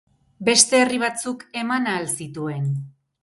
Beste herri batzuk eman ahal zituen?